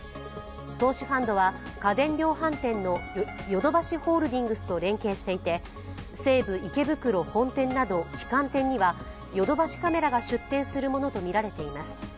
投資ファンドは家電量販店のヨドバシＨＤと連携していて、西武池袋本店など旗艦店にはヨドバシカメラが出店するものとみられています。